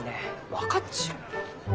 分かっちゅう。